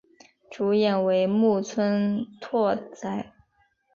主演为木村拓哉。